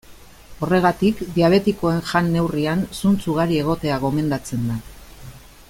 Horregatik, diabetikoen jan-neurrian zuntz ugari egotea gomendatzen da.